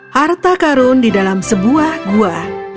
harta karun di dalam sebuah gua